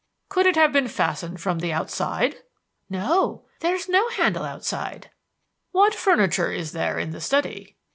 "Could it have been fastened from the outside?" "No; there is no handle outside." "What furniture is there in the study?"